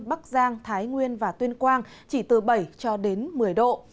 bắc giang thái nguyên và tuyên quang chỉ từ bảy cho đến một mươi độ